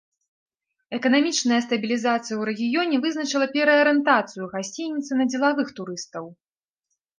Эканамічная стабілізацыя ў рэгіёне вызначыла пераарыентацыю гасцініцы на дзелавых турыстаў.